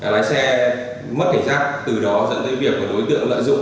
lái xe mất cảnh sát từ đó dẫn tới việc của đối tượng lợi dụng